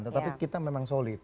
tapi kita memang solid